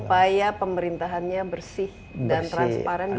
supaya pemerintahannya bersih dan transparan